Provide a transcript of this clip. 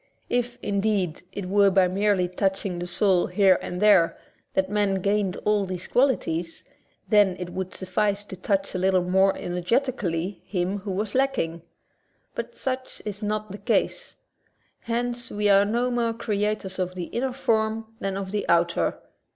If, indeed, it were by merely touching the soul here and there that man gained all these qualities, then it would suffice to touch a little more energeti cally him who was lacking. But such is not \ the case. Hence we are no more creators of the inner form than of the outer.